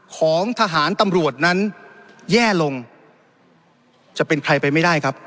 ของทหารตำรวจนั้นแย่ลงจะเป็นใครไปไม่ได้ครับ